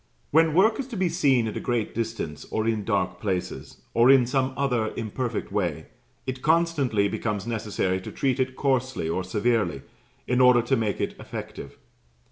When work is to be seen at a great distance, or in dark places, or in some other imperfect way, it constantly becomes necessary to treat it coarsely or severely, in order to make it effective.